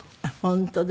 本当だ。